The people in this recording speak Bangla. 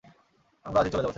আমরা আজই চলে যাবো, স্যার।